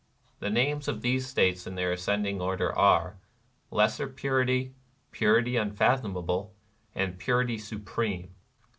The names of these states in their ascending order are. Lesser Purity, Purity Unfathomable, and Pu rity Supreme.